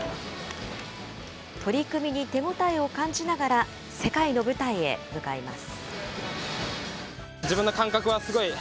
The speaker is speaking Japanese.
取り組みに手応えを感じながら、世界の舞台へ向かいます。